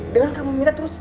dengan kamu minta terus